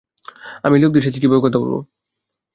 আমি এই লোকেদের সাথে কীভাবে কথা বলব?